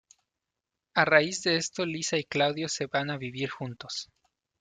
A raíz de esto Lisa y Claudio se van a vivir juntos.